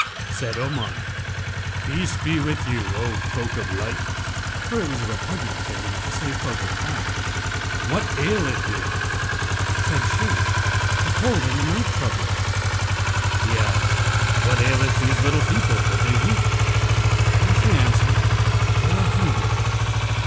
Said Omar, 'Peace be with you, O folk of light (for it was repugnant to him to say 'folk of fire'),[FN#277] what aileth you?' Said she, 'The cold and the night trouble us.' He asked, 'What aileth these little people that they weep?'; and she answered, 'They are hungry.'